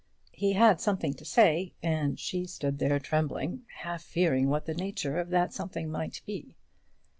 He had something to say, and she stood there trembling, half fearing what the nature of that something might be.